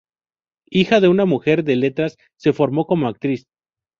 Hija de una "mujer de letras", se formó como actriz.